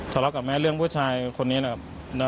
ทะเลาะกับแม่เรื่องผู้ชายคนนี้นะครับ